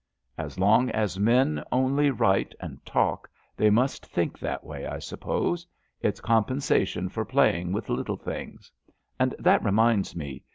'' As long as men only write and talk they must think that way, I suppose. It's compensation for playing with little things. And that reminds me.